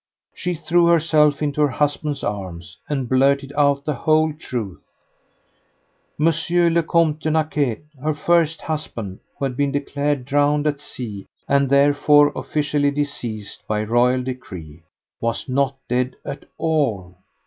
She threw herself into her husband's arms and blurted out the whole truth. M. le Comte de Naquet, her first husband, who had been declared drowned at sea, and therefore officially deceased by Royal decree, was not dead at all.